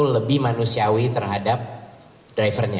lebih manusiawi terhadap drivernya